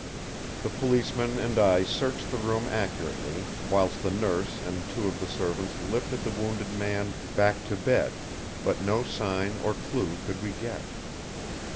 The Policemen and I searched the room accurately, whilst the Nurse and two of the servants lifted the wounded man back to bed; but no sign or clue could we get.